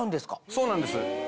そうなんです。